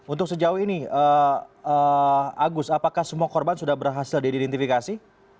untuk sejauh ini agus apakah semua korban sudah berhasil diidentifikasi